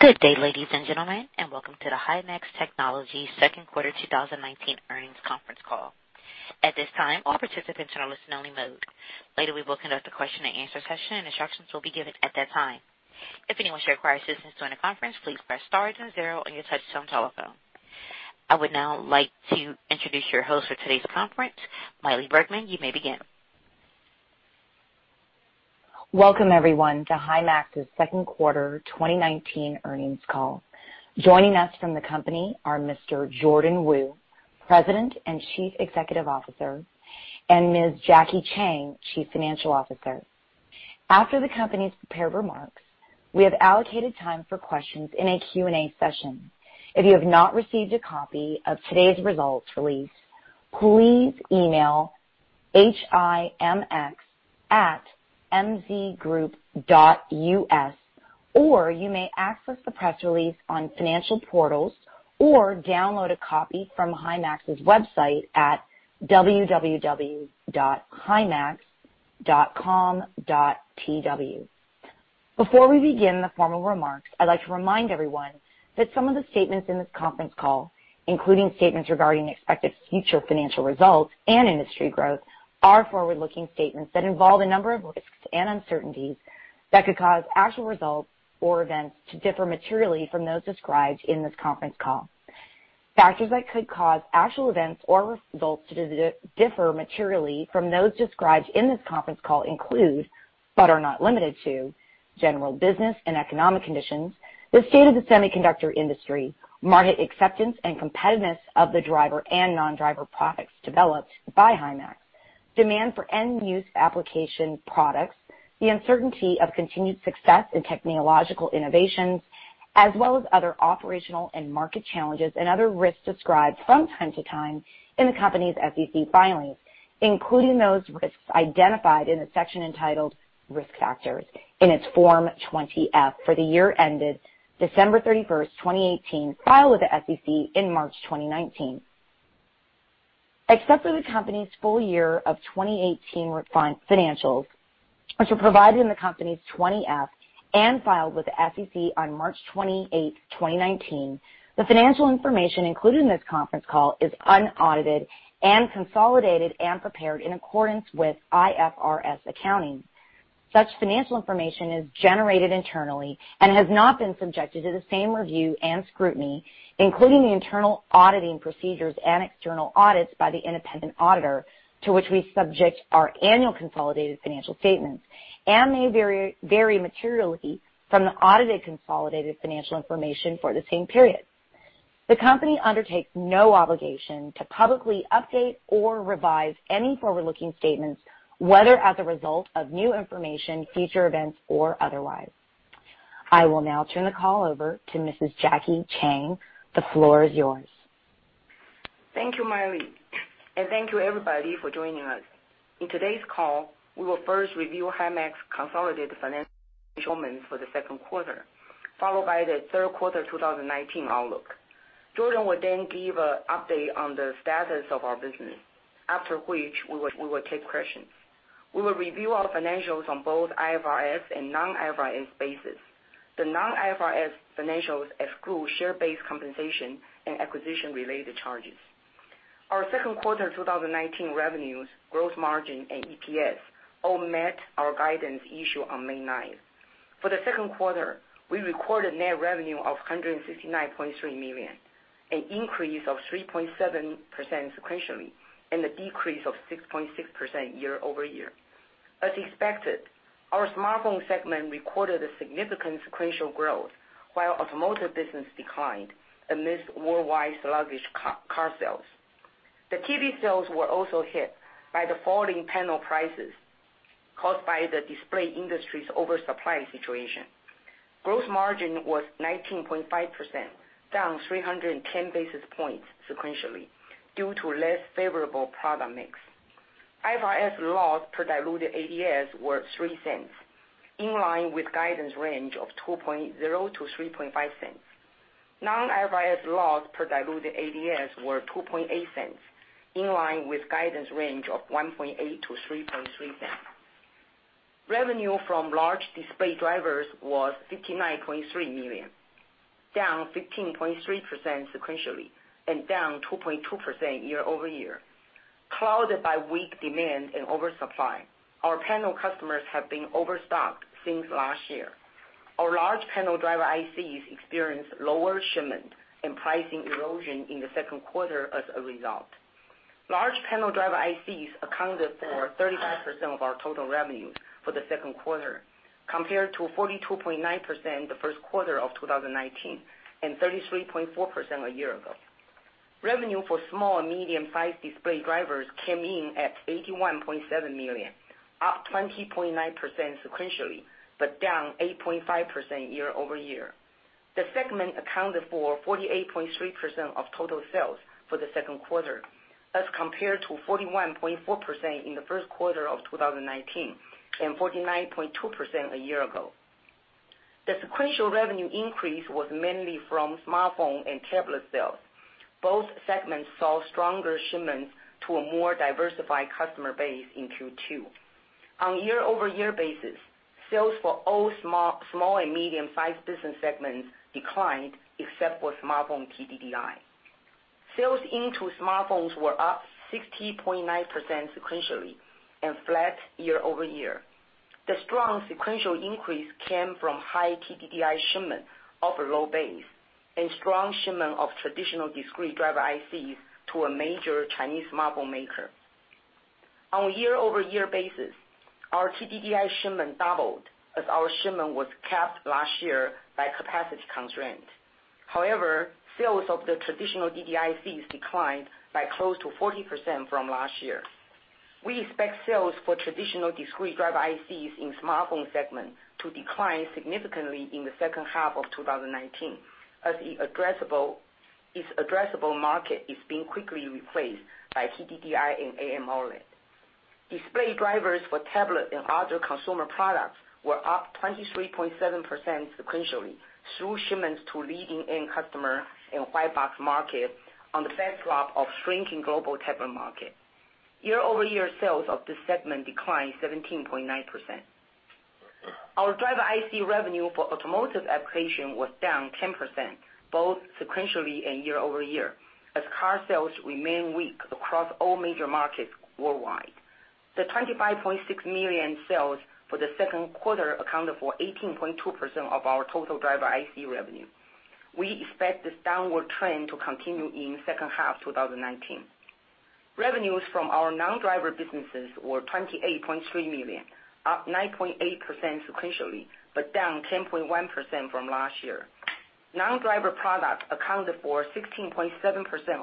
Good day, ladies and gentlemen, and welcome to the Himax Technologies second quarter 2019 earnings conference call. At this time, all participants are in listen only mode. Later, we will conduct a question and answer session and instructions will be given at that time. If anyone should require assistance during the conference, please press star then zero on your touchtone telephone. I would now like to introduce your host for today's conference, Maili Bergman. You may begin. Welcome everyone to Himax's second quarter 2019 earnings call. Joining us from the company are Mr. Jordan Wu, President and Chief Executive Officer, and Ms. Jackie Chang, Chief Financial Officer. After the company's prepared remarks, we have allocated time for questions in a Q&A session. If you have not received a copy of today's results release, please email himx@mzgroup.us or you may access the press release on financial portals or download a copy from Himax's website at www.himax.com.tw. Before we begin the formal remarks, I'd like to remind everyone that some of the statements in this conference call, including statements regarding expected future financial results and industry growth, are forward-looking statements that involve a number of risks and uncertainties that could cause actual results or events to differ materially from those described in this conference call. Factors that could cause actual events or results to differ materially from those described in this conference call include, but are not limited to, general business and economic conditions, the state of the semiconductor industry, market acceptance and competitiveness of the driver and non-driver products developed by Himax, demand for end-use application products, the uncertainty of continued success in technological innovations, as well as other operational and market challenges and other risks described from time to time in the company's SEC filings, including those risks identified in the section entitled Risk Factors in its Form 20-F for the year ended December 31st, 2018, filed with the SEC in March 2019. Except for the company's full year of 2018 financials, which were provided in the company's 20-F and filed with the SEC on March 28th, 2019, the financial information included in this conference call is unaudited and consolidated and prepared in accordance with IFRS accounting. Such financial information is generated internally and has not been subjected to the same review and scrutiny, including the internal auditing procedures and external audits by the independent auditor to which we subject our annual consolidated financial statements and may vary materially from the audited consolidated financial information for the same period. The company undertakes no obligation to publicly update or revise any forward-looking statements, whether as a result of new information, future events, or otherwise. I will now turn the call over to Mrs. Jackie Chang. The floor is yours. Thank you, Maili, and thank you everybody for joining us. In today's call, we will first review Himax consolidated financial statements for the second quarter, followed by the third quarter 2019 outlook. Jordan will give an update on the status of our business, after which we will take questions. We will review our financials on both IFRS and non-IFRS basis. The non-IFRS financials exclude share-based compensation and acquisition-related charges. Our second quarter 2019 revenues, gross margin, and EPS all met our guidance issued on May 9th. For the second quarter, we recorded net revenue of $169.3 million, an increase of 3.7% sequentially, and a decrease of 6.6% year-over-year. As expected, our smartphone segment recorded a significant sequential growth while automotive business declined amidst worldwide sluggish car sales. The TV sales were also hit by the falling panel prices caused by the display industry's oversupply situation. Gross margin was 19.5%, down 310 basis points sequentially due to less favorable product mix. IFRS loss per diluted ADS were $0.03, in line with guidance range of $0.02 to $0.035. Non-IFRS loss per diluted ADS were $0.028, in line with guidance range of $0.018-$0.033. Revenue from large display drivers was $59.3 million, down 15.3% sequentially and down 2.2% year-over-year. Clouded by weak demand and oversupply, our panel customers have been overstocked since last year. Our large panel driver ICs experienced lower shipment and pricing erosion in the second quarter as a result. Large panel driver ICs accounted for 35% of our total revenues for the second quarter, compared to 42.9% the first quarter of 2019 and 33.4% a year ago. Revenue for small and medium-sized display drivers came in at $81.7 million, up 20.9% sequentially, but down 8.5% year-over-year. The segment accounted for 48.3% of total sales for the second quarter as compared to 41.4% in the first quarter of 2019 and 49.2% a year ago. The sequential revenue increase was mainly from smartphone and tablet sales. Both segments saw stronger shipments to a more diversified customer base in Q2. On year-over-year basis, sales for all small and medium-sized business segments declined, except for smartphone TDDI. Sales into smartphones were up 60.9% sequentially and flat year-over-year. The strong sequential increase came from high TDDI shipment of a low base and strong shipment of traditional discrete driver ICs to a major Chinese mobile maker. On a year-over-year basis, our TDDI shipment doubled as our shipment was capped last year by capacity constraint. However, sales of the traditional DDICs declined by close to 40% from last year. We expect sales for traditional discrete driver ICs in smartphone segment to decline significantly in the second half of 2019 as its addressable market is being quickly replaced by TDDI and AMOLED. Display drivers for tablet and other consumer products were up 23.7% sequentially through shipments to leading-end customer in white box market on the backdrop of shrinking global tablet market. Year-over-year sales of this segment declined 17.9%. Our driver IC revenue for automotive application was down 10%, both sequentially and year-over-year, as car sales remain weak across all major markets worldwide. The $25.6 million sales for the second quarter accounted for 18.2% of our total driver IC revenue. We expect this downward trend to continue in second half 2019. Revenues from our non-driver businesses were $28.3 million, up 9.8% sequentially, but down 10.1% from last year. Non-driver products accounted for 16.7%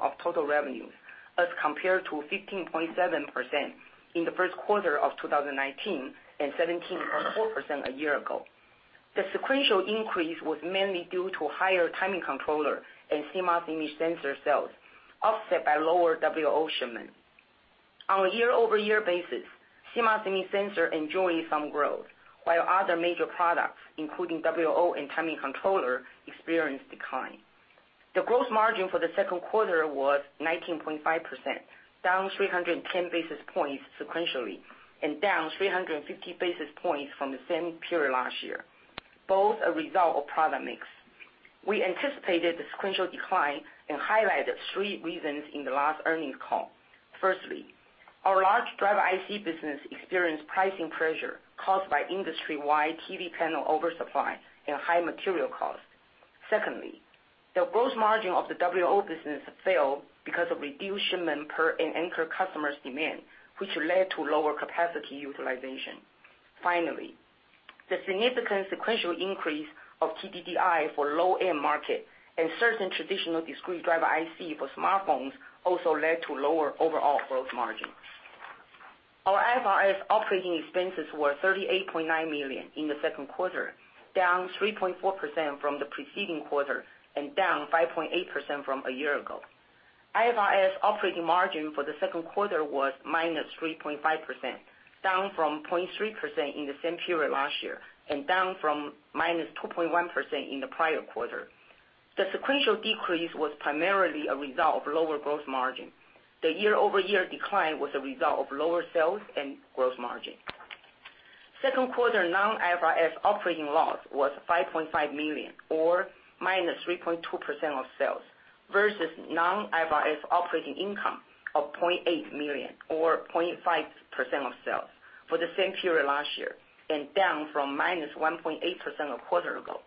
of total revenues as compared to 15.7% in the first quarter of 2019 and 17.4% a year ago. The sequential increase was mainly due to higher timing controller and CMOS image sensor sales offset by lower WLO shipments. On a year-over-year basis, CMOS image sensor enjoyed some growth, while other major products, including WLO and timing controller, experienced decline. The gross margin for the second quarter was 19.5%, down 310 basis points sequentially and down 350 basis points from the same period last year, both a result of product mix. We anticipated the sequential decline and highlighted three reasons in the last earnings call. Firstly, our large driver IC business experienced pricing pressure caused by industry-wide TV panel oversupply and high material cost. Secondly, the gross margin of the WLO business fell because of reduced shipment per an anchor customer's demand, which led to lower capacity utilization. The significant sequential increase of TDDI for low-end market and certain traditional discrete driver IC for smartphones also led to lower overall gross margin. Our IFRS operating expenses were $38.9 million in the second quarter, down 3.4% from the preceding quarter and down 5.8% from a year ago. IFRS operating margin for the second quarter was -3.5%, down from 0.3% in the same period last year, and down from -2.1% in the prior quarter. The sequential decrease was primarily a result of lower gross margin. The year-over-year decline was a result of lower sales and gross margin. Second quarter non-IFRS operating loss was $5.5 million or -3.2% of sales versus non-IFRS operating income of $0.8 million or 0.5% of sales for the same period last year and down from -1.8% a quarter ago.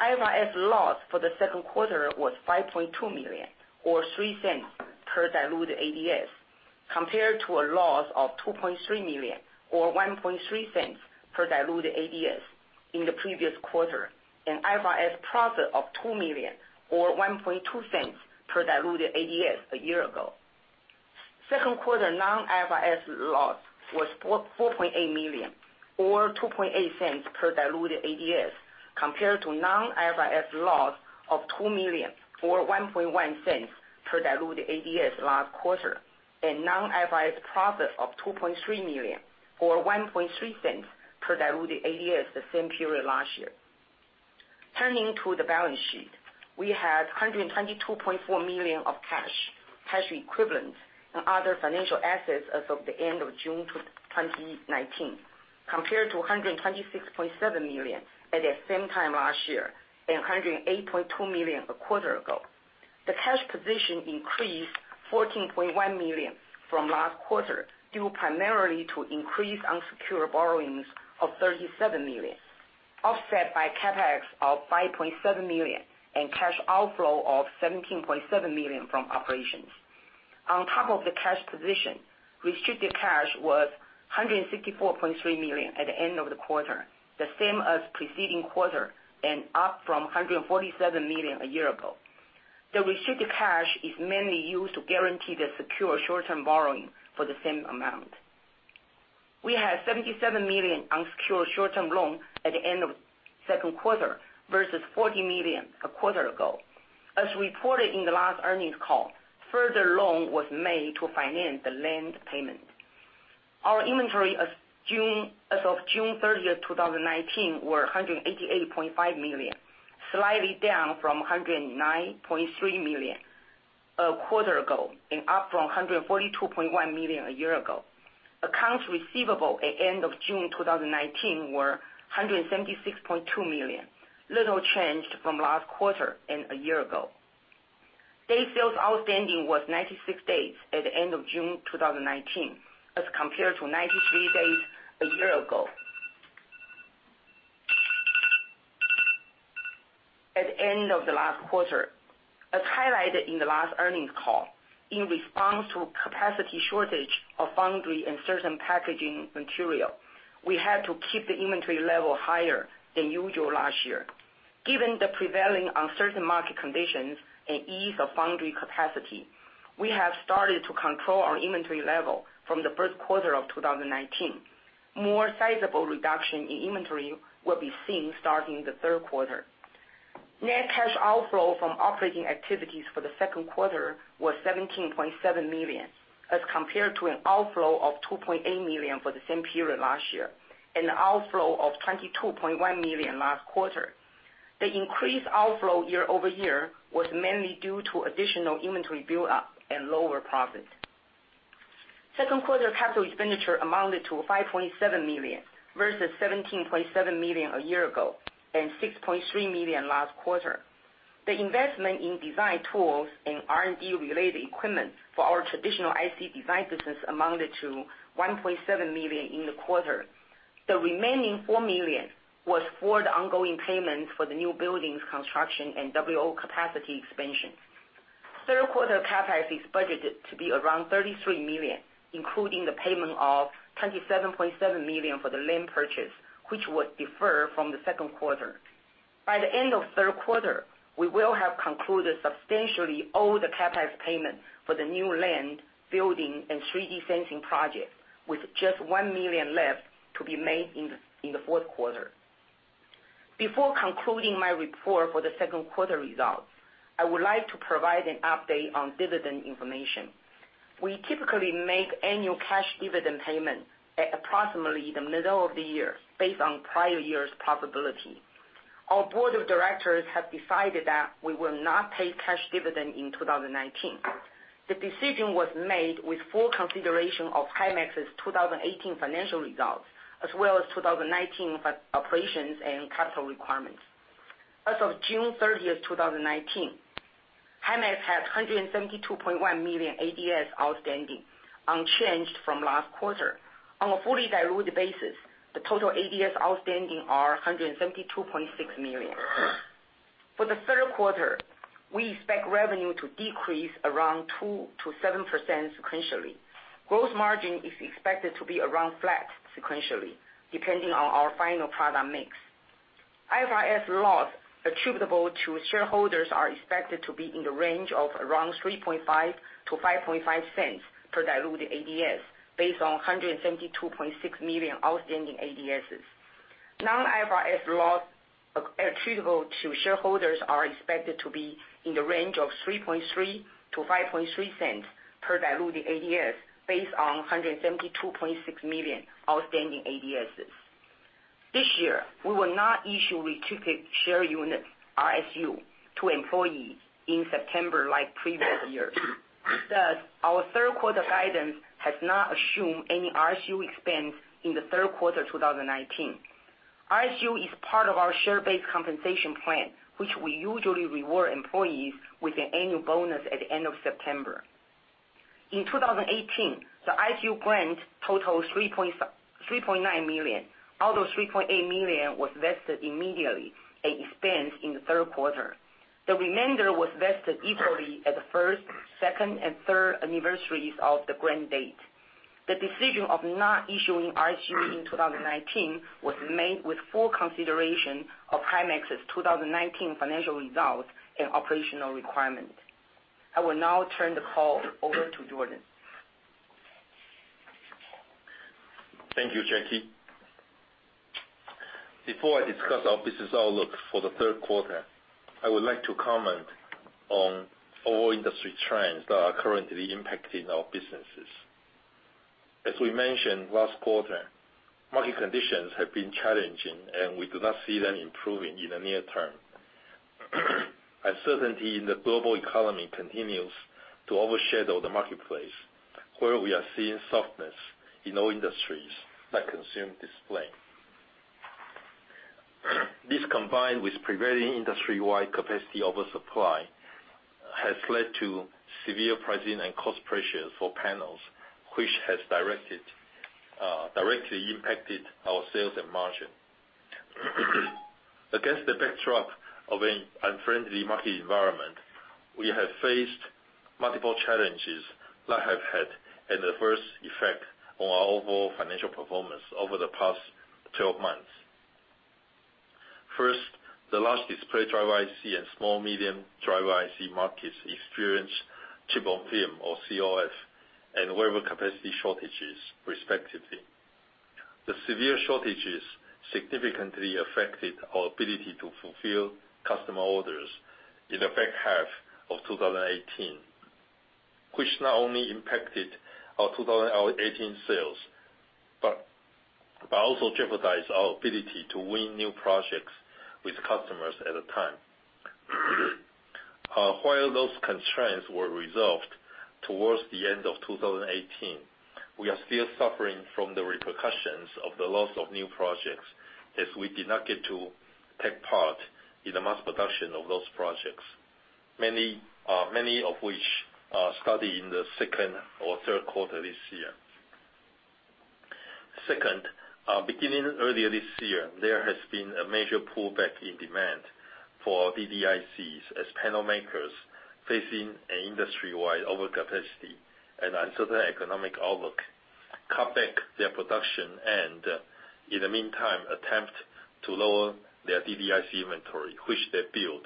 IFRS loss for the second quarter was $5.2 million or $0.03 per diluted ADS, compared to a loss of $2.3 million or $0.013 per diluted ADS in the previous quarter, an IFRS profit of $2 million or $0.12 per diluted ADS a year ago. Second quarter non-IFRS loss was $4.8 million or $0.028 per diluted ADS, compared to non-IFRS loss of $2 million or $0.011 per diluted ADS last quarter and non-IFRS profit of $2.3 million or $0.013 per diluted ADS the same period last year. Turning to the balance sheet. We had $122.4 million of cash equivalents, and other financial assets as of the end of June 2019, compared to $126.7 million at the same time last year and $108.2 million a quarter ago. The cash position increased $14.1 million from last quarter, due primarily to increased unsecured borrowings of $37 million, offset by CapEx of $5.7 million and cash outflow of $17.7 million from operations. On top of the cash position, restricted cash was $164.3 million at the end of the quarter, the same as preceding quarter and up from $147 million a year ago. The restricted cash is mainly used to guarantee the secure short-term borrowing for the same amount. We had $77 million unsecured short-term loan at the end of second quarter versus $40 million a quarter ago. As reported in the last earnings call, further loan was made to finance the land payment. Our inventory as of June 30th, 2019, were $188.5 million, slightly down from $190.3 million a quarter ago, and up from $142.1 million a year ago. Accounts receivable at end of June 2019 were $176.2 million, little changed from last quarter and a year ago. Day sales outstanding was 96 days at the end of June 2019, as compared to 93 days a year ago. At the end of the last quarter, as highlighted in the last earnings call, in response to capacity shortage of foundry and certain packaging material, we had to keep the inventory level higher than usual last year. Given the prevailing uncertain market conditions and ease of foundry capacity, we have started to control our inventory level from the first quarter of 2019. More sizable reduction in inventory will be seen starting the third quarter. Net cash outflow from operating activities for the second quarter was $17.7 million, as compared to an outflow of $2.8 million for the same period last year, and an outflow of $22.1 million last quarter. The increased outflow year-over-year was mainly due to additional inventory build-up and lower profit. Second quarter capital expenditure amounted to $5.7 million versus $17.7 million a year ago and $6.3 million last quarter. The investment in design tools and R&D-related equipment for our traditional IC design business amounted to $1.7 million in the quarter. The remaining $4 million was for the ongoing payments for the new buildings construction and WLO capacity expansion. Third quarter CapEx is budgeted to be around $33 million, including the payment of $27.7 million for the land purchase, which was deferred from the second quarter. By the end of third quarter, we will have concluded substantially all the CapEx payment for the new land, building, and 3D sensing project, with just $1 million left to be made in the fourth quarter. Before concluding my report for the second quarter results, I would like to provide an update on dividend information. We typically make annual cash dividend payment at approximately the middle of the year, based on prior year's profitability. Our board of directors have decided that we will not pay cash dividend in 2019. The decision was made with full consideration of Himax's 2018 financial results, as well as 2019 operations and capital requirements. As of June 30th, 2019, Himax had 172.1 million ADSs outstanding, unchanged from last quarter. On a fully-diluted basis, the total ADSs outstanding are 172.6 million. For the third quarter, we expect revenue to decrease around 2%-7% sequentially. Gross margin is expected to be around flat sequentially, depending on our final product mix. IFRS loss attributable to shareholders are expected to be in the range of around $0.035-$0.055 per diluted ADS, based on 172.6 million outstanding ADSs. Non-IFRS loss attributable to shareholders are expected to be in the range of $0.033-$0.053 per diluted ADS, based on 172.6 million outstanding ADSs. This year, we will not issue restricted share units, RSU, to employees in September like previous years. Thus, our third quarter guidance has not assumed any RSU expense in the third quarter 2019. RSU is part of our share-based compensation plan, which we usually reward employees with an annual bonus at the end of September. In 2018, the RSU grant totaled 3.9 million. Although 3.8 million was vested immediately, it expensed in the third quarter. The remainder was vested equally at the first, second, and third anniversaries of the grant date. The decision of not issuing RSU in 2019 was made with full consideration of Himax's 2019 financial results and operational requirements. I will now turn the call over to Jordan. Thank you, Jackie. Before I discuss our business outlook for the third quarter, I would like to comment on our industry trends that are currently impacting our businesses. As we mentioned last quarter, market conditions have been challenging, and we do not see them improving in the near term. Uncertainty in the global economy continues to overshadow the marketplace, where we are seeing softness in all industries that consume display. This, combined with prevailing industry-wide capacity oversupply, has led to severe pricing and cost pressures for panels, which has directly impacted our sales and margin. Against the backdrop of an unfriendly market environment, we have faced multiple challenges that have had an adverse effect on our overall financial performance over the past 12 months. First, the large display driver IC and small medium driver IC markets experienced chip-on-film or COF and wafer capacity shortages, respectively. The severe shortages significantly affected our ability to fulfill customer orders in the back half of 2018, which not only impacted our 2018 sales, but also jeopardized our ability to win new projects with customers at the time. While those constraints were resolved towards the end of 2018, we are still suffering from the repercussions of the loss of new projects, as we did not get to take part in the mass production of those projects, many of which are starting in the second or third quarter this year. Second, beginning earlier this year, there has been a major pullback in demand for DDICs as panel makers facing an industry-wide overcapacity and uncertain economic outlook, cut back their production and, in the meantime, attempt to lower their DDIC inventory, which they built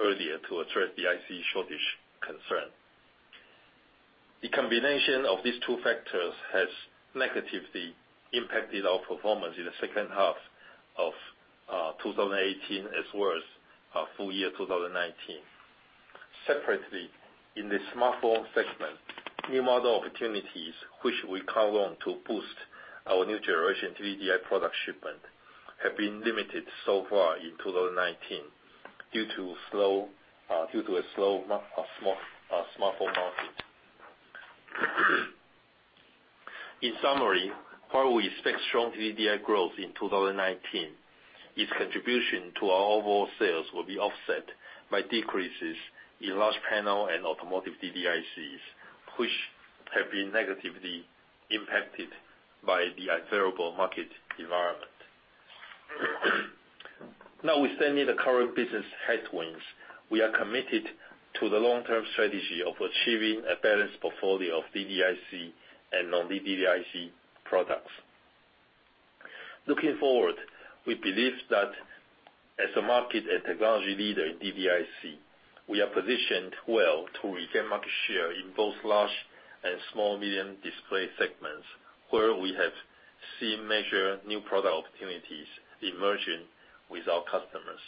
earlier to address the IC shortage concern. The combination of these two factors has negatively impacted our performance in the second half of 2018 as well as our full year 2019. Separately, in the smartphone segment, new model opportunities which we count on to boost our new generation DDIC product shipment, have been limited so far in 2019 due to a slow smartphone market. In summary, while we expect strong DDIC growth in 2019, its contribution to our overall sales will be offset by decreases in large panel and automotive DDICs, which have been negatively impacted by the unfavorable market environment. Notwithstanding the current business headwinds, we are committed to the long-term strategy of achieving a balanced portfolio of DDIC and non-DDIC products. Looking forward, we believe that as a market and technology leader in DDIC, we are positioned well to regain market share in both large and small million display segments, where we have seen major new product opportunities emerging with our customers.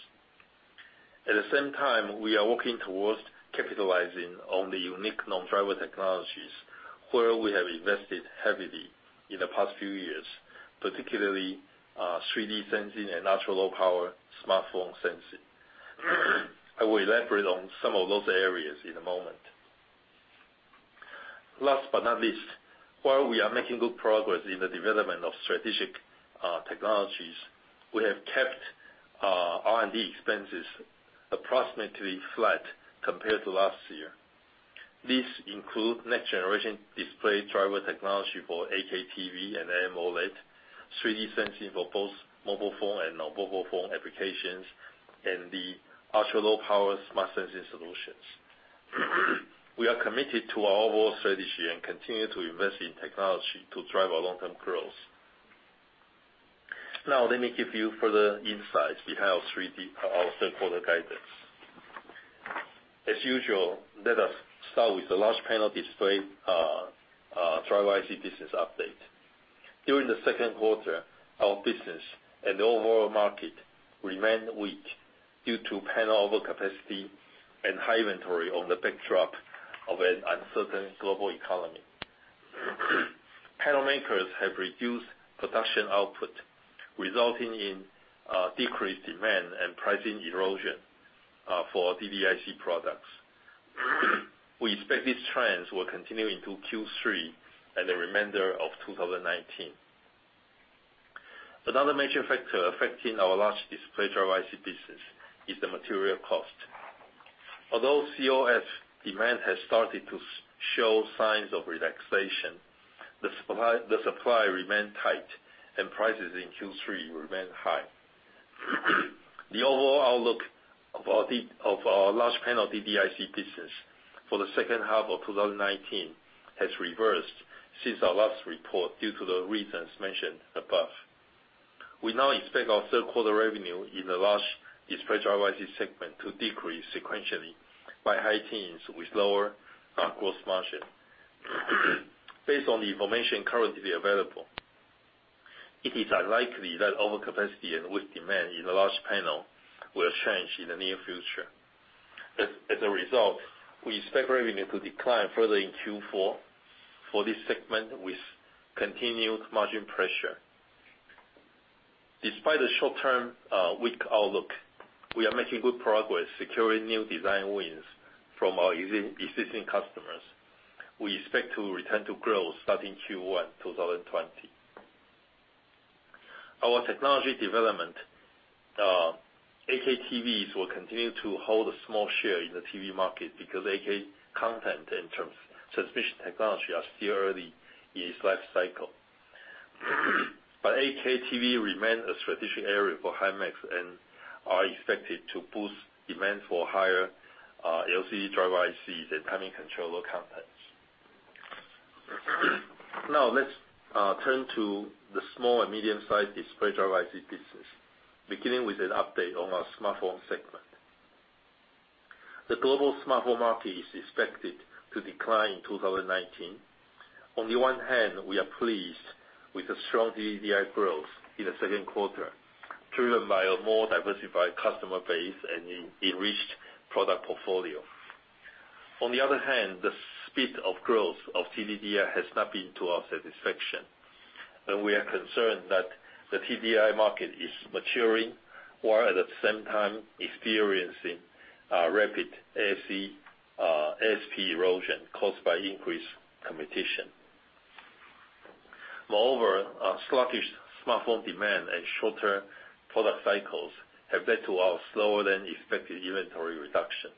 At the same time, we are working towards capitalizing on the unique non-driver technologies where we have invested heavily in the past few years, particularly 3D sensing and ultra-low power smartphone sensing. I will elaborate on some of those areas in a moment. Last but not least, while we are making good progress in the development of strategic technologies, we have kept our R&D expenses approximately flat compared to last year. These include next-generation display driver technology for 8K TV and AMOLED, 3D sensing for both mobile phone and non-mobile phone applications, and the ultra-low power smart sensing solutions. We are committed to our overall strategy and continue to invest in technology to drive our long-term growth. Now let me give you further insights behind our third quarter guidance. As usual, let us start with the large panel display driver IC business update. During the second quarter, our business and overall market remained weak due to panel overcapacity and high inventory on the backdrop of an uncertain global economy. Panel makers have reduced production output, resulting in decreased demand and pricing erosion for DDIC products. We expect these trends will continue into Q3 and the remainder of 2019. Another major factor affecting our large display driver IC business is the material cost. Although COF demand has started to show signs of relaxation, the supply remained tight and prices in Q3 remained high. The overall outlook of our large panel DDIC business for the second half of 2019 has reversed since our last report, due to the reasons mentioned above. We now expect our third quarter revenue in the large display driver IC segment to decrease sequentially by high teens, with lower gross margin. Based on the information currently available, it is unlikely that overcapacity and weak demand in the large panel will change in the near future. As a result, we expect revenue to decline further in Q4 for this segment, with continued margin pressure. Despite the short-term weak outlook, we are making good progress securing new design wins from our existing customers. We expect to return to growth starting Q1 2020. Our technology development, 8K TVs will continue to hold a small share in the TV market because 8K content and transmission technology are still early in its life cycle. 8K TV remains a strategic area for Himax and are expected to boost demand for higher LCD driver ICs and timing controller contents. Now let's turn to the small and medium-sized display driver IC business, beginning with an update on our smartphone segment. The global smartphone market is expected to decline in 2019. On the one hand, we are pleased with the strong TDDI growth in the second quarter, driven by a more diversified customer base and an enriched product portfolio. On the other hand, the speed of growth of TDDI has not been to our satisfaction, and we are concerned that the TDDI market is maturing, while at the same time experiencing a rapid ASP erosion caused by increased competition. Moreover, a sluggish smartphone demand and shorter product cycles have led to our slower-than-expected inventory reduction.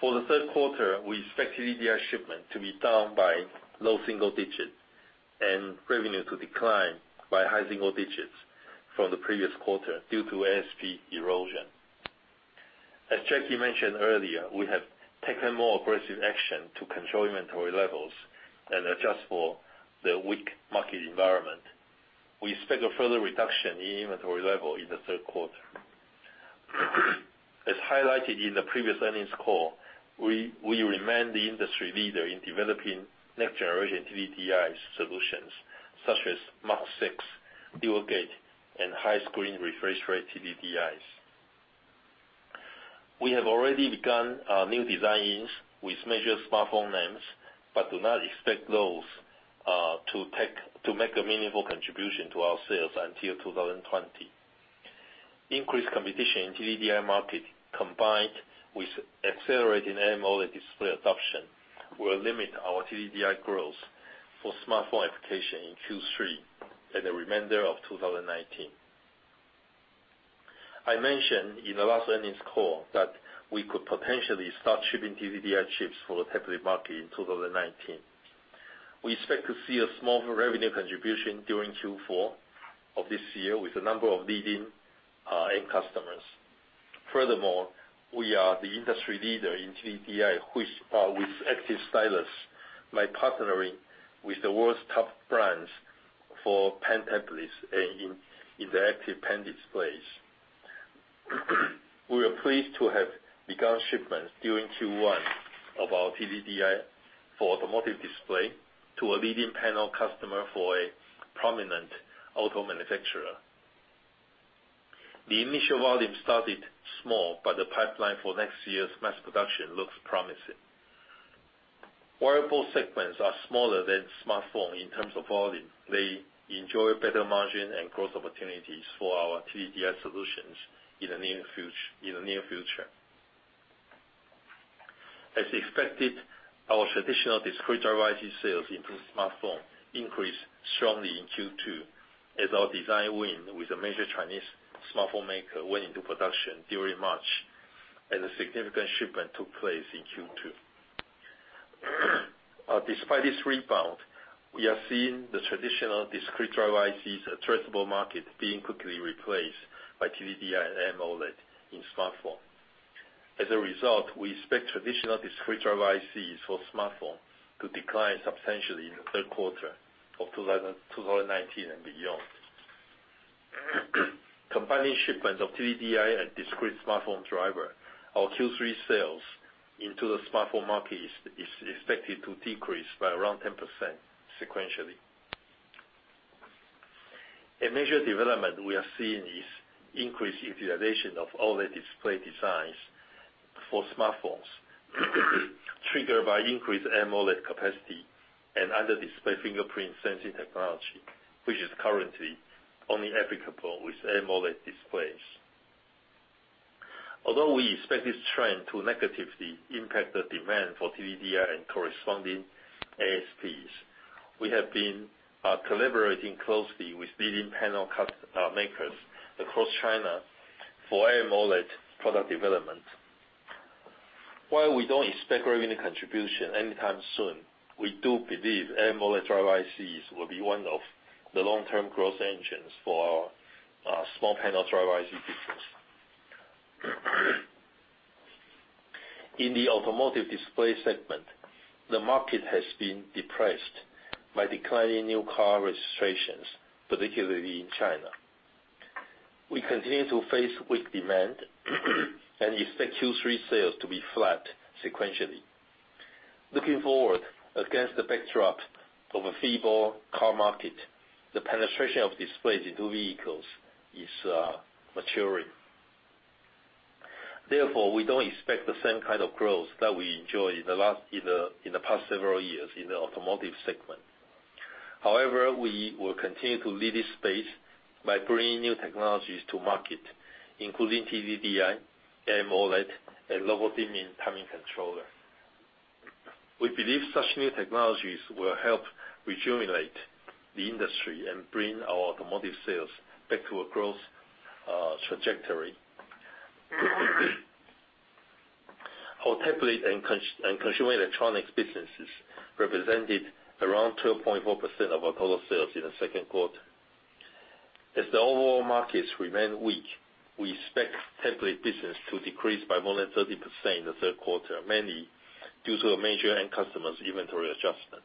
For the third quarter, we expect TDDI shipment to be down by low single digits, and revenue to decline by high single digits from the previous quarter due to ASP erosion. As Jackie mentioned earlier, we have taken more aggressive action to control inventory levels and adjust for the weak market environment. We expect a further reduction in inventory level in the third quarter. As highlighted in the previous earnings call, we remain the industry leader in developing next-generation TDDI solutions such as Mark6, Dual Gate, and high screen refresh rate TDDIs. We have already begun new designs with major smartphone names, but do not expect those to make a meaningful contribution to our sales until 2020. Increased competition in TDDI market, combined with accelerated AMOLED display adoption, will limit our TDDI growth for smartphone application in Q3 and the remainder of 2019. I mentioned in the last earnings call that we could potentially start shipping TDDI chips for the tablet market in 2019. We expect to see a small revenue contribution during Q4 of this year with a number of leading end customers. We are the industry leader in TDDI with active stylus by partnering with the world's top brands for pen tablets and interactive pen displays. We are pleased to have begun shipments during Q1 of our TDDI for automotive display to a leading panel customer for a prominent auto manufacturer. The initial volume started small, the pipeline for next year's mass production looks promising. Wearable segments are smaller than smartphone in terms of volume. They enjoy better margin and growth opportunities for our TDDI solutions in the near future. As expected, our traditional discrete driver IC sales into smartphone increased strongly in Q2 as our design win with a major Chinese smartphone maker went into production during March, and a significant shipment took place in Q2. Despite this rebound, we are seeing the traditional discrete driver IC's addressable market being quickly replaced by TDDI and AMOLED in smartphone. As a result, we expect traditional discrete driver ICs for smartphone to decline substantially in the third quarter of 2019 and beyond. Combining shipments of TDDI and discrete smartphone driver, our Q3 sales into the smartphone market is expected to decrease by around 10% sequentially. A major development we are seeing is increased utilization of OLED display designs for smartphones triggered by increased AMOLED capacity and under-display fingerprint sensing technology, which is currently only applicable with AMOLED displays. Although we expect this trend to negatively impact the demand for TDDI and corresponding ASPs, we have been collaborating closely with leading panel makers across China for AMOLED product development. While we don't expect revenue contribution anytime soon, we do believe AMOLED driver ICs will be one of the long-term growth engines for our small panel driver IC business. In the automotive display segment, the market has been depressed by declining new car registrations, particularly in China. We continue to face weak demand and expect Q3 sales to be flat sequentially. Looking forward, against the backdrop of a feeble car market, the penetration of displays into vehicles is maturing. Therefore, we don't expect the same kind of growth that we enjoyed in the past several years in the automotive segment. However, we will continue to lead this space by bringing new technologies to market, including TDDI, AMOLED, and low-dimming timing controller. We believe such new technologies will help rejuvenate the industry and bring our automotive sales back to a growth trajectory. Our tablet and consumer electronics businesses represented around 12.4% of our total sales in the second quarter. As the overall markets remain weak, we expect tablet business to decrease by more than 30% in the third quarter, mainly due to a major end customer's inventory adjustment.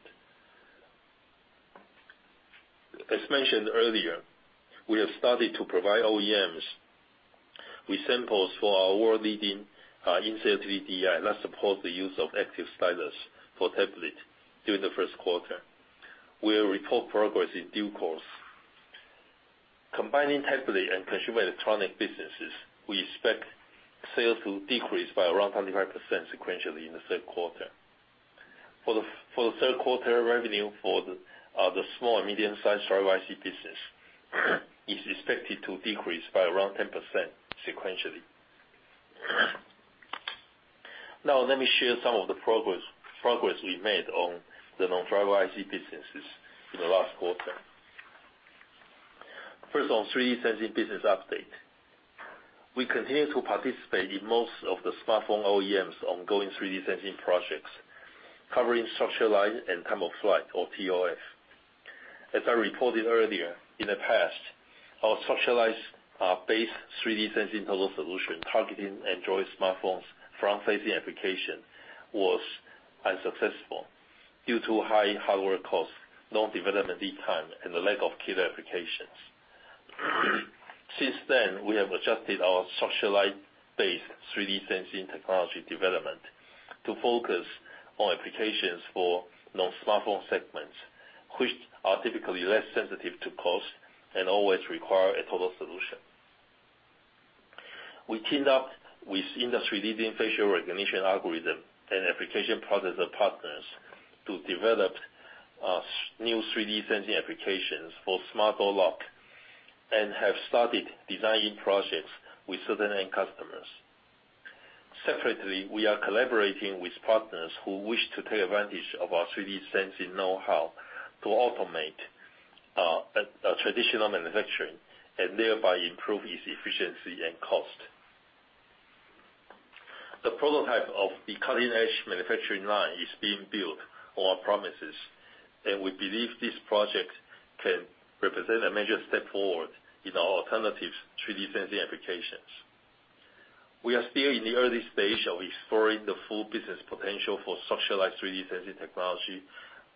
As mentioned earlier, we have started to provide OEMs with samples for our world-leading in-cell TDDI that supports the use of active stylus for tablet during the first quarter. We'll report progress in due course. Combining tablet and consumer electronic businesses, we expect sales to decrease by around 25% sequentially in the third quarter. For the third quarter, revenue for the small and medium-sized driver IC business is expected to decrease by around 10% sequentially. Let me share some of the progress we made on the non-driver IC businesses in the last quarter. First, on 3D sensing business update. We continue to participate in most of the smartphone OEMs ongoing 3D sensing projects, covering structured light and time of flight, or ToF. As I reported earlier, in the past, our structured light-based 3D sensing total solution targeting Android smartphones front-facing application was unsuccessful due to high hardware cost, long development lead time, and the lack of killer applications. Since then, we have adjusted our structured light-based 3D sensing technology development to focus on applications for non-smartphone segments, which are typically less sensitive to cost and always require a total solution. We teamed up with industry-leading facial recognition algorithm and application processor partners to develop new 3D sensing applications for smart door lock, and have started designing projects with certain end customers. Separately, we are collaborating with partners who wish to take advantage of our 3D sensing know-how to automate traditional manufacturing and thereby improve its efficiency and cost. The prototype of the cutting-edge manufacturing line is being built on our premises, and we believe this project can represent a major step forward in our alternative 3D sensing applications. We are still in the early stage of exploring the full business potential for structured light 3D sensing technology,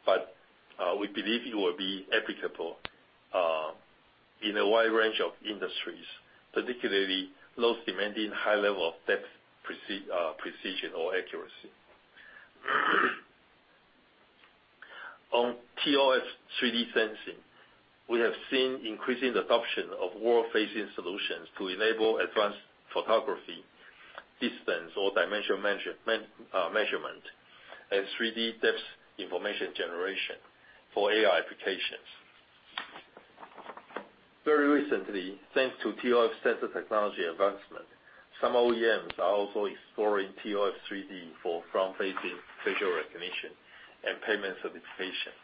but we believe it will be applicable in a wide range of industries, particularly those demanding high level of depth, precision, or accuracy. On ToF 3D sensing, we have seen increasing adoption of world-facing solutions to enable advanced photography, distance or dimension measurement, and 3D depth information generation for AI applications. Very recently, thanks to ToF sensor technology advancement, some OEMs are also exploring ToF 3D for front-facing facial recognition and payment certification.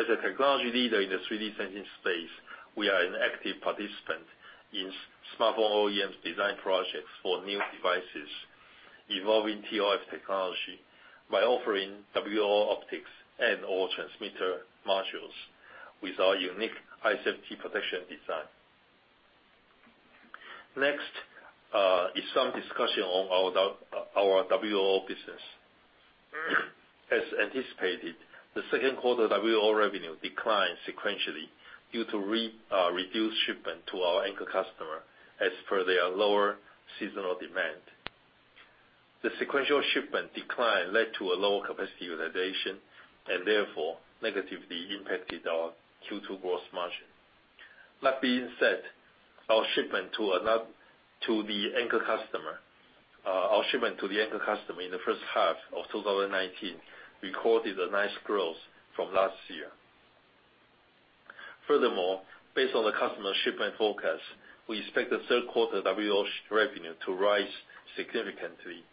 As a technology leader in the 3D sensing space, we are an active participant in smartphone OEMs design projects for new devices involving ToF technology by offering WL optics and/or transmitter modules with our unique ISEF T protection design. Next is some discussion on our WL business. As anticipated, the second quarter WLO revenue declined sequentially due to reduced shipment to our anchor customer as per their lower seasonal demand. The sequential shipment decline led to a lower capacity utilization and therefore negatively impacted our Q2 gross margin. That being said, our shipment to the anchor customer in the first half of 2019 recorded a nice growth from last year. Furthermore, based on the customer shipment forecast, we expect the third quarter WLO revenue to rise significantly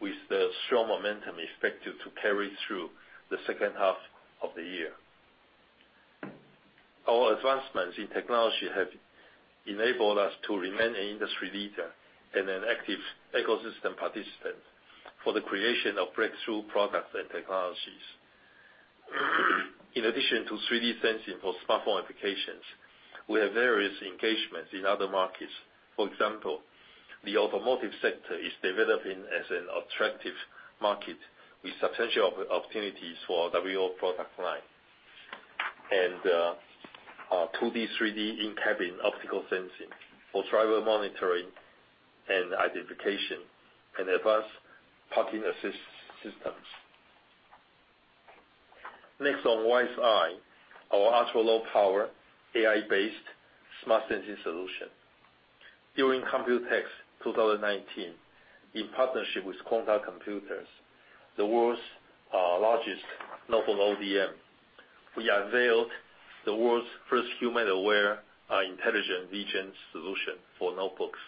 with the strong momentum expected to carry through the second half of the year. Our advancements in technology have enabled us to remain an industry leader and an active ecosystem participant for the creation of breakthrough products and technologies. In addition to 3D sensing for smartphone applications, we have various engagements in other markets. For example, the automotive sector is developing as an attractive market with substantial opportunities for WLO product line and 2D/3D in-cabin optical sensing for driver monitoring and identification and advanced parking assist systems. Next on WiseEye, our ultra-low power, AI-based, smart sensing solution. During Computex 2019, in partnership with Quanta Computer, the world's largest notebook ODM, we unveiled the world's first human-aware, intelligent vision solution for notebooks.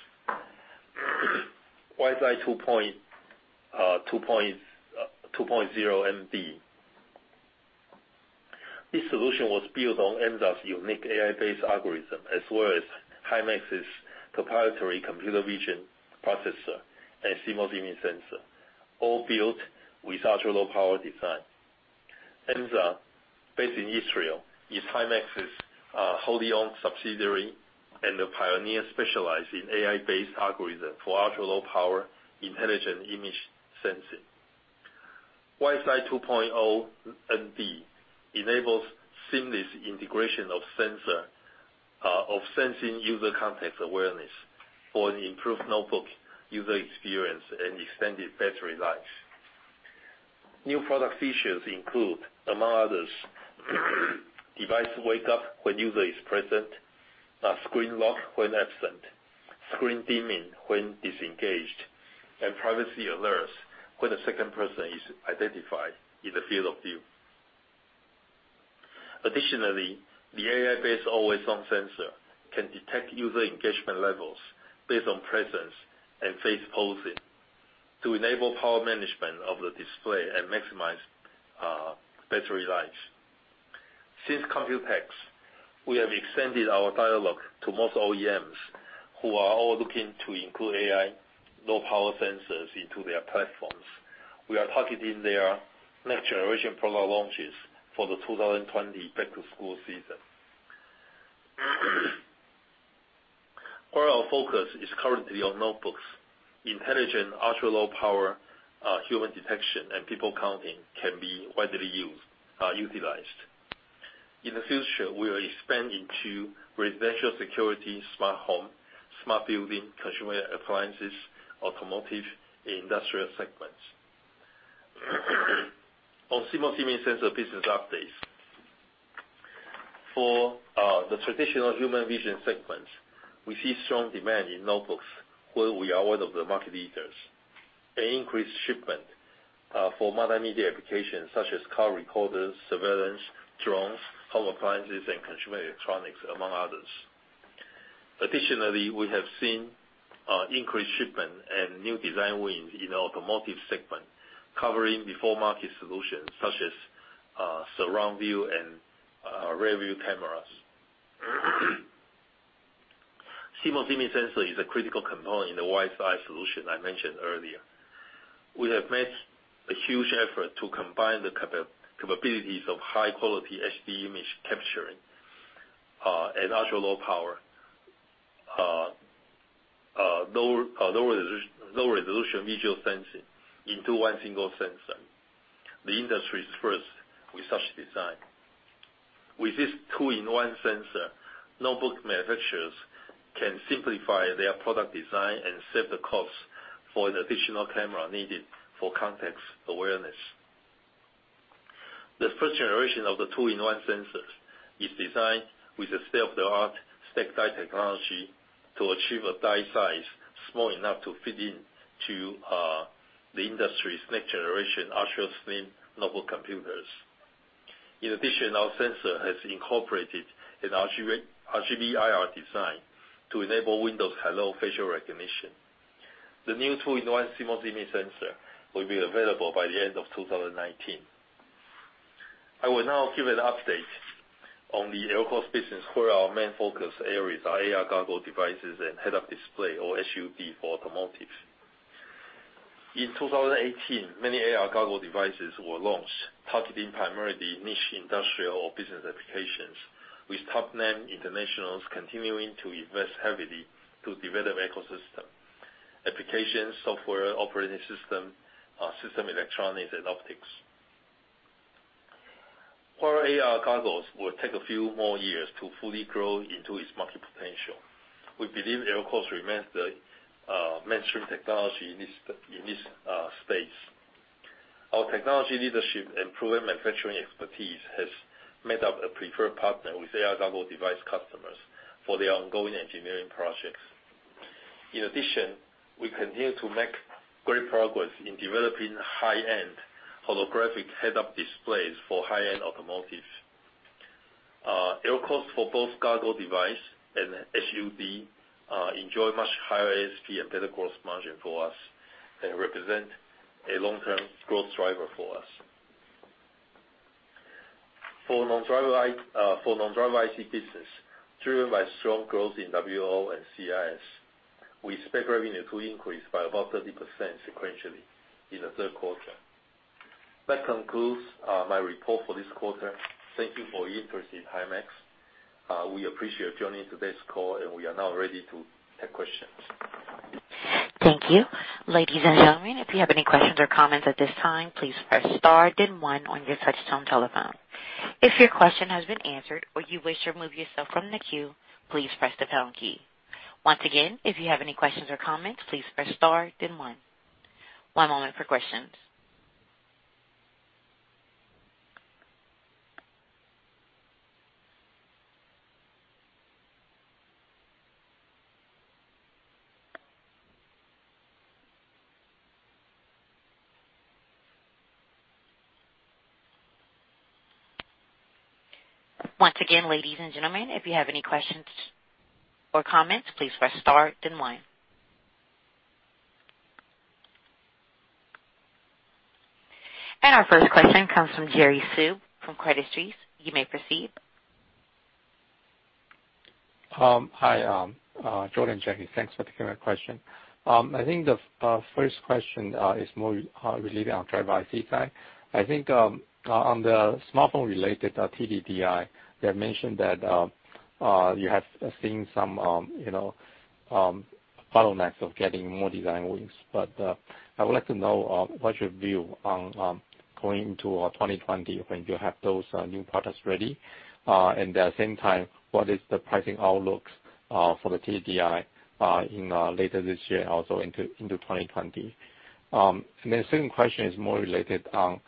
WiseEye 2.0 NB. This solution was built on Emza's unique AI-based algorithm as well as Himax's proprietary computer vision processor and CMOS image sensor, all built with ultra-low power design. Emza, based in Israel, is Himax's wholly-owned subsidiary and a pioneer specialized in AI-based algorithm for ultra-low power, intelligent image sensing. WiseEye 2.0 NB enables seamless integration of sensing user context awareness for an improved notebook user experience and extended battery life. New product features include, among others, device wake up when user is present, screen lock when absent, screen dimming when disengaged, and privacy alerts when a second person is identified in the field of view. Additionally, the AI-based always-on sensor can detect user engagement levels based on presence and face posing to enable power management of the display and maximize battery life. Since Computex, we have extended our dialogue to most OEMs, who are all looking to include AI low power sensors into their platforms. We are targeting their next generation product launches for the 2020 back-to-school season. While our focus is currently on notebooks, intelligent ultra-low power human detection and people counting can be widely utilized. In the future, we will expand into residential security, smart home, smart building, consumer appliances, automotive, industrial segments. On CMOS image sensor business updates. For the traditional human vision segment, we see strong demand in notebooks, where we are one of the market leaders. An increased shipment for multimedia applications such as car recorders, surveillance, drones, home appliances, and consumer electronics, among others. Additionally, we have seen increased shipment and new design wins in automotive segment, covering before market solutions such as surround view and rear view cameras. CMOS image sensor is a critical component in the WiseEye solution I mentioned earlier. We have made a huge effort to combine the capabilities of high quality HD image capturing, and ultra low power, low resolution visual sensing into one single sensor. The industry's first with such design. With this two-in-one sensor, notebook manufacturers can simplify their product design and save the cost for an additional camera needed for context awareness. The first generation of the two-in-one sensors is designed with a state-of-the-art stack die technology to achieve a die size small enough to fit into the industry's next generation ultra-thin notebook computers. In addition, our sensor has incorporated an RGB IR design to enable Windows Hello facial recognition. The new two-in-one CMOS image sensor will be available by the end of 2019. I will now give an update on the LCOS business, where our main focus areas are AR goggle devices and head-up display or HUD for automotives. In 2018, many AR goggle devices were launched, targeting primarily niche industrial or business applications, with top name internationals continuing to invest heavily to develop ecosystem. Applications, software, operating system electronics, and optics. While AR goggles will take a few more years to fully grow into its market potential, we believe LCOS remains the mainstream technology in this space. Our technology leadership and proven manufacturing expertise has made us a preferred partner with AR goggle device customers for their ongoing engineering projects. In addition, we continue to make great progress in developing high-end holographic head-up displays for high-end automotives. LCOS for both goggle device and HUD enjoy much higher ASP and better gross margin for us, and represent a long-term growth driver for us. For non-drives IC business, driven by strong growth in WLO and CIS, we expect revenue to increase by about 30% sequentially in the third quarter. That concludes my report for this quarter. Thank you for your interest in Himax. We appreciate you joining today's call, and we are now ready to take questions. Thank you. Ladies and gentlemen, if you have any questions or comments at this time, please press star then one on your touchtone telephone. If your question has been answered or you wish to remove yourself from the queue, please press the pound key. Once again, if you have any questions or comments, please press star then one. One moment for questions. Once again, ladies and gentlemen, if you have any questions or comments, please press star then one. Our first question comes from Jerry Su from Credit Suisse. You may proceed. Hi. Jordan, Jerry. Thanks for taking my question. I think the first question is more related on driver IC side. I think on the smartphone related TDDI, you have mentioned that you have seen some bottlenecks of getting more design wins. I would like to know, what's your view on going into 2020 when you have those new products ready? At the same time, what is the pricing outlook for the TDDI, later this year, also into 2020? Second question is more related on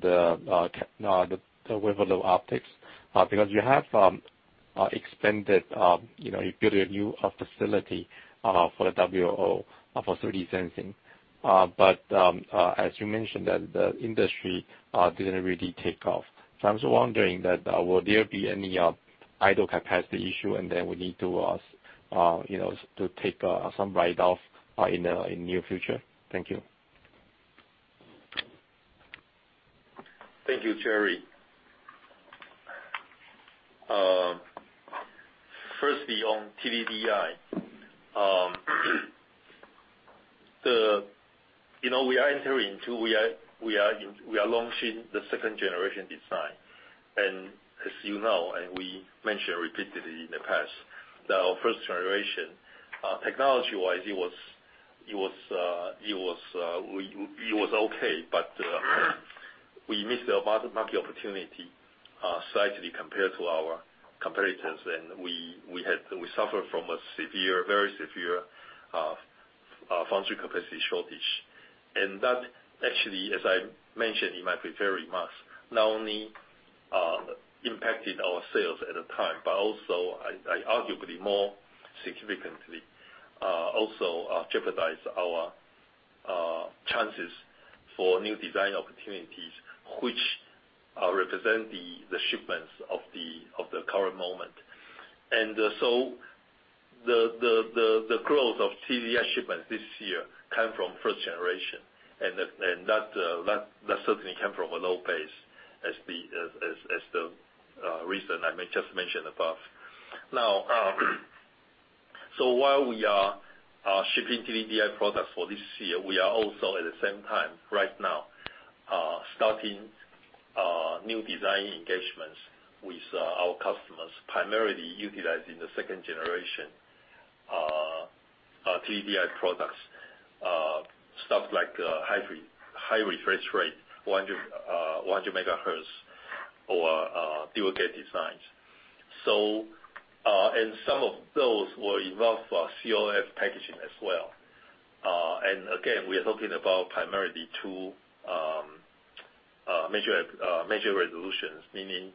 the wave of optics. You have expanded, you build a new facility for the WLO for 3D sensing. As you mentioned, the industry didn't really take off. I was wondering that, will there be any idle capacity issue and then we need to take some write-offs in near future? Thank you. Thank you, Jerry. Firstly, on TDDI. We are launching the second generation design. As you know, and we mentioned repeatedly in the past, that our first generation, technology-wise, it was okay. We missed a market opportunity slightly compared to our competitors. We suffered from a very severe foundry capacity shortage. That actually, as I mentioned in my prepared remarks, not only impacted our sales at the time, but also, arguably more significantly, also jeopardized our chances for new design opportunities, which represent the shipments of the current moment. The growth of TDDI shipments this year came from first generation. That certainly came from a low base as the reason I just mentioned above. While we are shipping TDDI products for this year, we are also at the same time, right now, starting new design engagements with our customers, primarily utilizing the second-generation TDDI products. Stuff like high refresh rate, 100 MHz or dual-gate designs. Some of those will involve COF packaging as well. Again, we are talking about primarily two major resolutions, meaning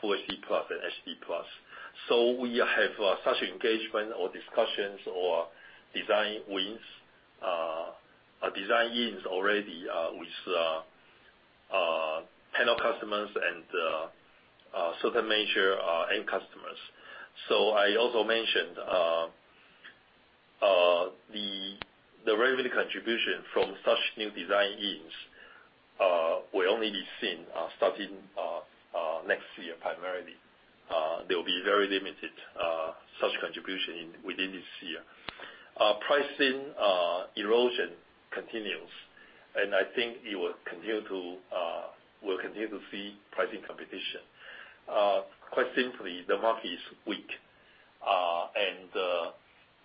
full HD plus and HD plus. We have such engagement or discussions or design wins already with panel customers and certain major end customers. I also mentioned the revenue contribution from such new design wins will only be seen starting next year, primarily. There will be very limited such contribution within this year. Pricing erosion continues, and I think we'll continue to see pricing competition. Quite simply, the market is weak.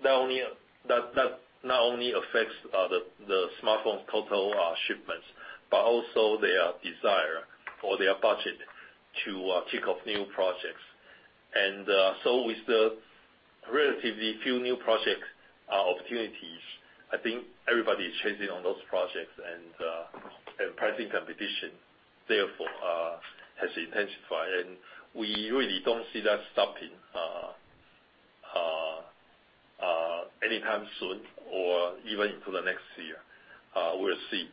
That not only affects the smartphone total shipments, but also their desire or their budget to kick off new projects. With the relatively few new project opportunities, I think everybody is chasing on those projects and pricing competition, therefore, has intensified. We really don't see that stopping anytime soon or even into the next year. We'll see.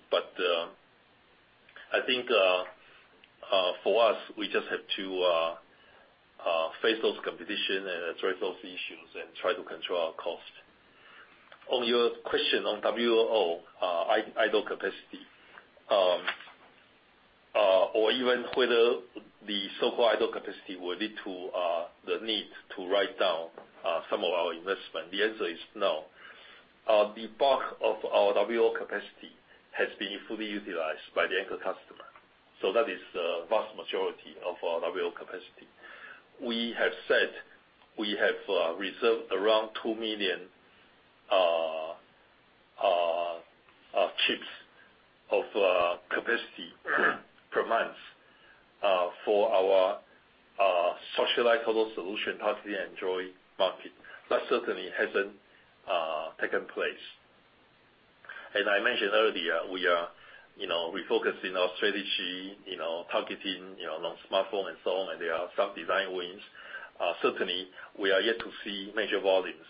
I think, for us, we just have to face those competition and address those issues and try to control our cost. On your question on WLO idle capacity, or even whether the so-called idle capacity will lead to the need to write down some of our investment. The answer is no. The bulk of our WLO capacity has been fully utilized by the anchor customer. That is the vast majority of our WLO capacity. We have said we have reserved around 2 million chips of capacity per month, for our structured light solution, possibly Android market. That certainly hasn't taken place. As I mentioned earlier, we are refocusing our strategy, targeting non-smartphone and so on, and there are some design wins. Certainly, we are yet to see major volumes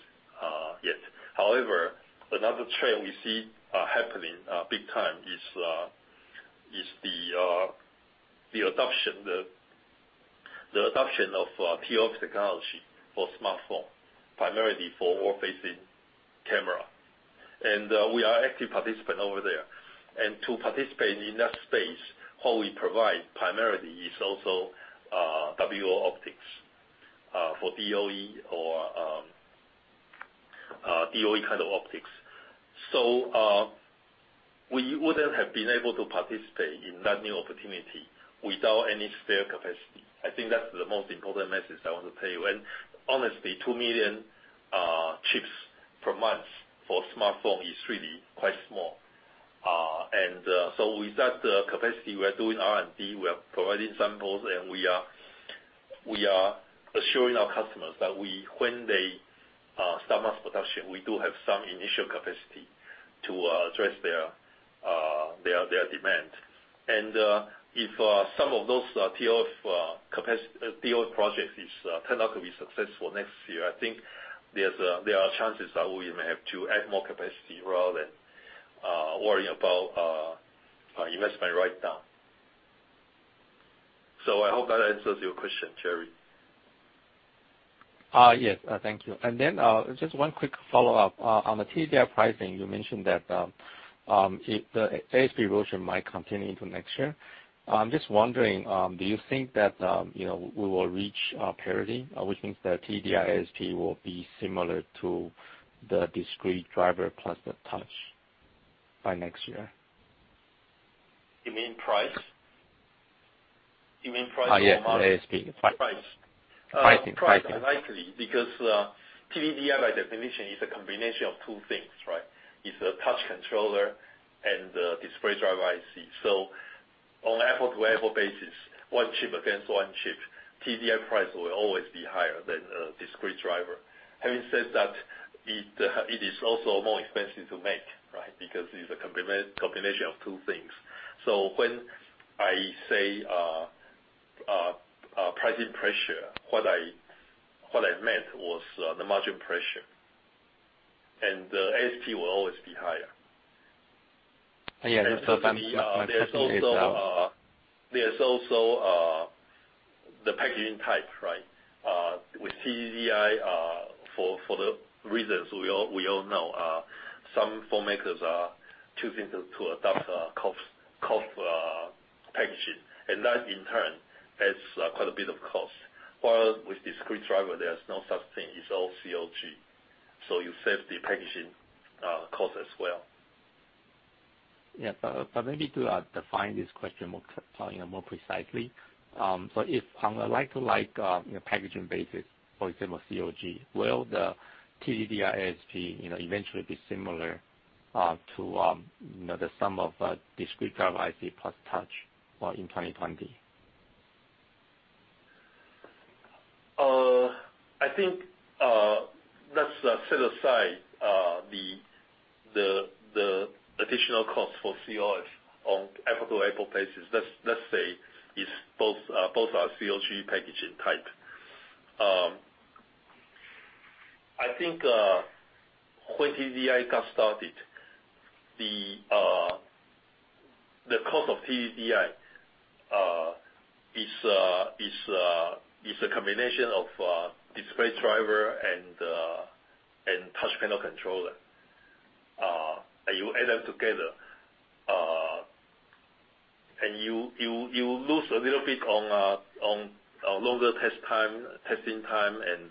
yet. However, another trend we see happening big time is the adoption of ToF technology for smartphone, primarily for world-facing camera. We are active participant over there. To participate in that space, what we provide primarily is also WLO optics for DOE or DOE kind of optics. We wouldn't have been able to participate in that new opportunity without any spare capacity. I think that's the most important message I want to tell you. Honestly, 2 million chips per month for smartphone is really quite small. With that capacity, we are doing R&D, we are providing samples, and we are assuring our customers that when they start mass production, we do have some initial capacity to address their demand. If some of those ToF projects turn out to be successful next year, I think there are chances that we may have to add more capacity rather than worry about investment right now. I hope that answers your question, Jerry. Yes. Thank you. Just one quick follow-up. On the TDDI pricing, you mentioned that the ASP erosion might continue into next year. I'm just wondering, do you think that we will reach parity? Which means the TDDI ASP will be similar to the discrete driver plus the touch by next year? You mean price? Yes, for ASP. Price. Pricing. Price. Likely, because TDDI, by definition, is a combination of two things, right? It's a touch controller and a display driver IC. On apple-to-apple basis, one chip against one chip, TDDI price will always be higher than a discrete driver. Having said that, it is also more expensive to make, right? Because it's a combination of two things. When I say pricing pressure, what I meant was the margin pressure. The ASP will always be higher. Yeah. There's also the packaging type, right? With TDDI, for the reasons we all know, some phone makers are choosing to adopt COF packaging. That in turn, adds quite a bit of cost. While with discrete driver, there is no such thing. It's all COG. You save the packaging cost as well. Yeah. Maybe to define this question more precisely. If on a like-to-like packaging basis, for example, COG, will the TDDI ASP eventually be similar to the sum of discrete driver IC plus touch in 2020? I think, let's set aside the additional cost for COF on apple-to-apple basis. Let's say it's both are COG packaging type. I think, when TDDI got started, the cost of TDDI is a combination of display driver and touch panel controller. You add them together, and you lose a little bit on longer testing time and,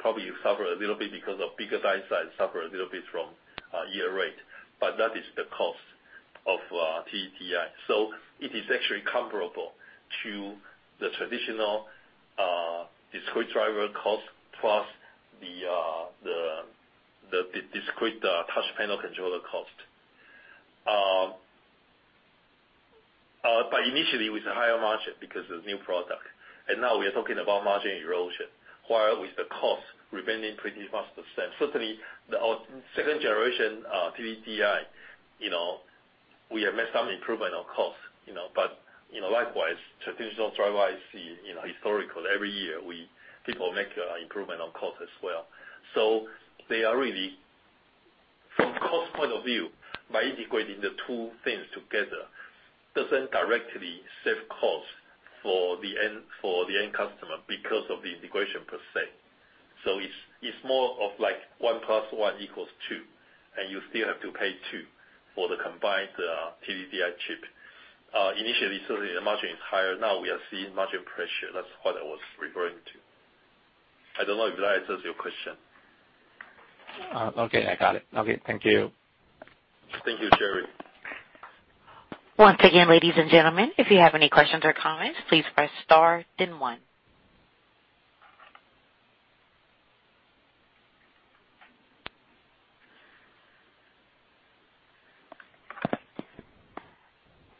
probably you suffer a little bit because of bigger die size, suffer a little bit from yield rate. That is the cost of TDDI. So it is actually comparable to the traditional discrete driver cost, plus the discrete touch panel controller cost. Initially, it was a higher margin because it's new product. Now we are talking about margin erosion, while with the cost remaining pretty much the same. Certainly, our second generation TDDI, we have made some improvement on cost. Likewise, traditional driver IC, historical, every year, people make improvement on cost as well. They are really, from cost point of view, by integrating the two things together, doesn't directly save cost for the end customer because of the integration per se. It's more of like one plus one equals two, and you still have to pay two for the combined TDDI chip. Initially, certainly, the margin is higher. Now we are seeing margin pressure. That's what I was referring to. I don't know if that answers your question. Okay, I got it. Okay, thank you. Thank you, Jerry. Once again, ladies and gentlemen, if you have any questions or comments, please press star then one.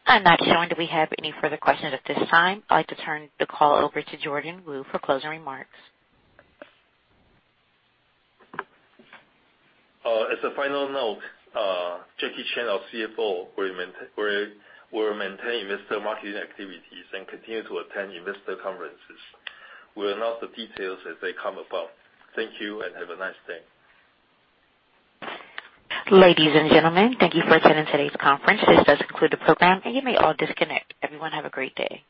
I'm not showing that we have any further questions at this time. I'd like to turn the call over to Jordan Wu for closing remarks. As a final note, Jackie Chang, our CFO, will maintain investor marketing activities and continue to attend investor conferences. We'll announce the details as they come about. Thank you and have a nice day. Ladies and gentlemen, thank you for attending today's conference. This does conclude the program and you may all disconnect. Everyone have a great day.